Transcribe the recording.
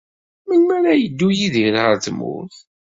Melmi ara yeddu Yidir ɣer tmurt?